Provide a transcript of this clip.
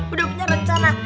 udah punya rencana